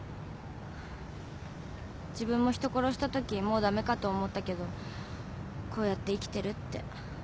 自分も人殺したときもうダメかと思ったけどこうやって生きてるって。